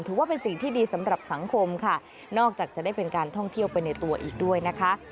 ถือว่าเป็นสิ่งที่ดีสำหรับสังคมค่ะนอกจากจะได้เป็นการท่องเที่ยวไปในตัวอีกด้วยนะคะ